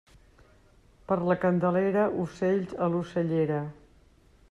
Per la Candelera, ocells a l'ocellera.